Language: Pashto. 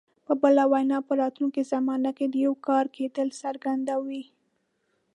په بله وینا په راتلونکي زمانه کې د یو کار کېدل څرګندوي.